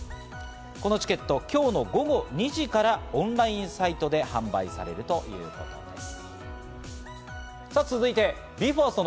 このチケット、今日午後２時からオンラインサイトで販売されるということです。